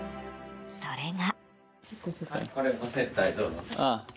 それが。